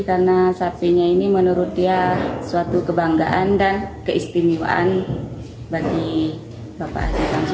karena sapinya ini menurut dia suatu kebanggaan dan keistimewaan bagi bapak